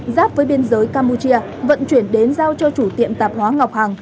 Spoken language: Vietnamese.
giáp với biên giới campuchia vận chuyển đến giao cho chủ tiệm tạp hóa ngọc hàng